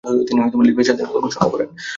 তিনি লিবিয়ার স্বাধীনতা ঘোষণা করেন।